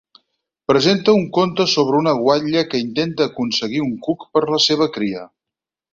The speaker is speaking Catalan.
Presenta un conte sobre una guatlla que intenta aconseguir un cuc per la seva cria.